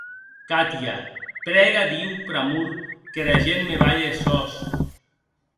Katia, prèga a Diu pr'amor qu'era gent me balhe es sòs.